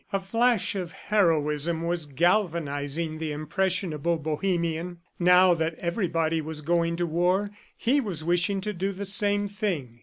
A flash of heroism was galvanizing the impressionable Bohemian. Now that everybody was going to the war, he was wishing to do the same thing.